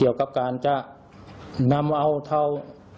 ยี่นติเธออย่างว่าเอาเท่า